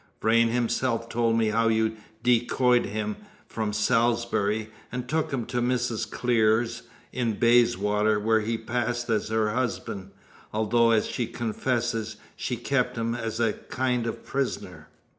Vrain himself told me how you decoyed him from Salisbury, and took him to Mrs. Clear's, in Bayswater, where he passed as her husband, although, as she confesses, she kept him as a kind of prisoner."